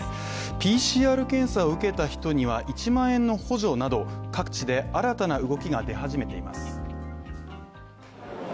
ＰＣＲ検査を受けた人には１万円の補助など、各地で新たな動きが出始めています。